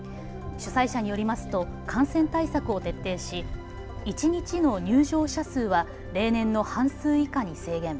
主催者によりますと感染対策を徹底し一日の入場者数は例年の半数以下に制限。